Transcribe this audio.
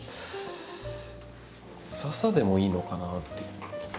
ササでもいいのかなっていう。